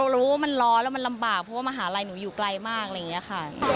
รู้ว่ามันร้อนแล้วมันลำบากเพราะว่ามหาลัยหนูอยู่ไกลมาก